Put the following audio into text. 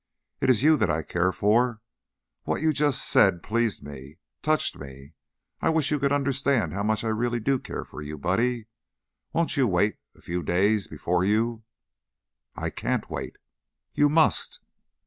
It is you that I care for. What you just said pleased me, touched me. I wish you could understand how much I really do care for you, Buddy. Won't you wait a few days, before you " "I can't wait." "You must."